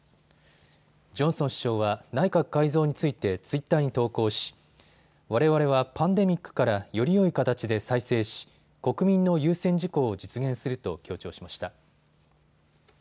ジョンソン首相は内閣改造についてツイッターに投稿しわれわれはパンデミックからよりよい形で再生し、国民の優先事項を実現すると強調しました。